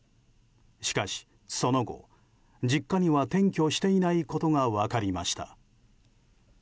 しかし、その後、実家には転居していないことが分かりました。